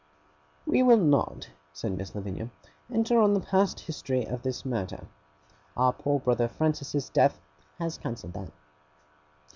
'We will not,' said Miss Lavinia, 'enter on the past history of this matter. Our poor brother Francis's death has cancelled that.